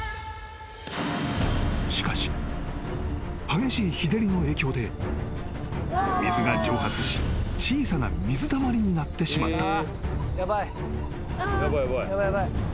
［しかし激しい日照りの影響で水が蒸発し小さな水たまりになってしまった］